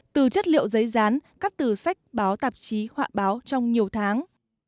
từ chất liệu giấy rán các từ sách báo tạp chí họa báo trong nhiều tháng